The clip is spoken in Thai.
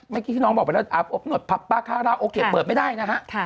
เมื่อกี้ที่น้องบอกไปแล้วโอเคเปิดไม่ได้นะครับ